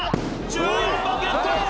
１４番ゲット